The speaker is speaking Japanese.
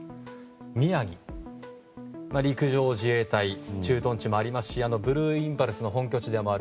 宮城は陸上自衛隊駐屯地もありますしブルーインパルスの本拠地である